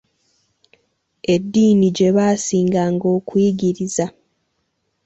Eddiini gye baasinganga okuyigiriza.